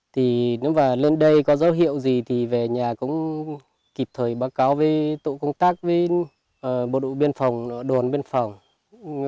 thì nếu mà lên đây có dấu hiệu gì thì về nhà cũng kịp thời báo cáo với tổ công tác với bộ đội biên phòng đồn biên phòng